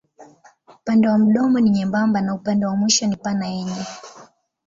Upande wa mdomo ni nyembamba na upande wa mwisho ni pana yenye.